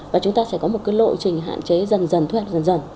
và chúng ta sẽ có một cái lộ trình hạn chế dần dần thu hoạch dần dần